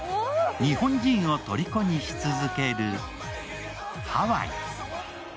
日本人をとりこにし続けるハワイ。